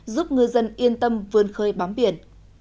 giúp ngư dân yên tâm vươn khơi bám biển